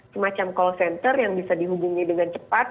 semacam call center yang bisa dihubungi dengan cepat